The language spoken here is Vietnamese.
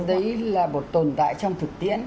đấy là một tồn tại trong thực tiễn